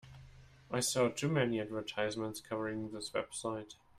I saw too many advertisements covering this website.